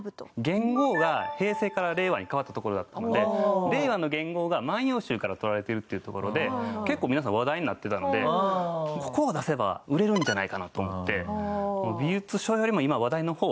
元号が平成から令和に変わったところだったので令和の元号が『万葉集』から取られているっていうところで結構皆さん話題になってたのでここを出せば売れるんじゃないかなと思って美術書よりも今話題の方を選びました。